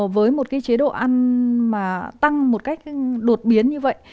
với một cái chế độ ăn mà tăng một cách đột biến như vậy